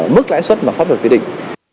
mức lãi suất mà pháp luật quyết định